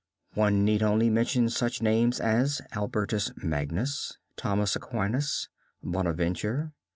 One need only mention such names as Albertus Magnus, Thomas Aquinas, Bonaventure.